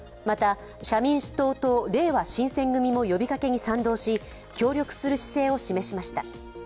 また、社民党とれいわ新選組も呼びかけに賛同し協力する姿勢を示しました。